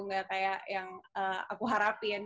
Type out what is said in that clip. nggak kayak yang aku harapin